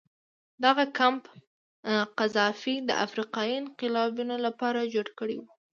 دغه کمپ قذافي د افریقایي انقلابینو لپاره جوړ کړی و.